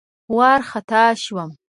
وارخطا شوم.